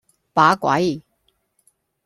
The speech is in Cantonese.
把鬼!